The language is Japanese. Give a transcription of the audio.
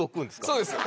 そうです。